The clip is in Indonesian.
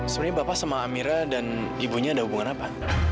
sebenarnya bapak sama amira dan ibunya ada hubungan apa